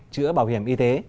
chữa bảo hiểm y tế